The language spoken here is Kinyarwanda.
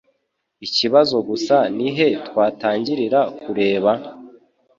Ikibazo gusa ni he twatangirira kureba?